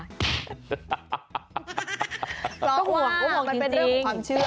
พลังหัวว่ามันเป็นเรื่องของความเชื่อ